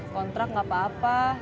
kontrak gak apa apa